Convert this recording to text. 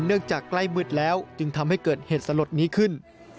จากใกล้มืดแล้วจึงทำให้เกิดเหตุสลดนี้ขึ้น